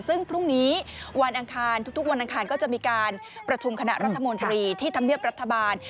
ซึ่งพรุ่งนี้วันอังคารทุกวันอังคารก็จะมีการประชุมคณะรัฐมนตรีที่ธรรมเนียบรัฐบาล